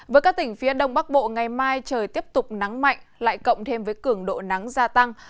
với các tỉnh phía đông bắc bộ ngày mai trời tiếp tục nắng mạnh lại cộng thêm với cường độ nắng gia tăng